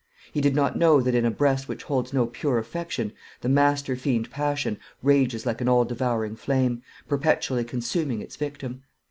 He did not know that in a breast which holds no pure affection the master fiend Passion rages like an all devouring flame, perpetually consuming its victim.